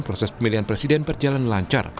proses pemilihan presiden berjalan lancar